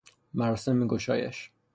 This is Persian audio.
مراسم گشایش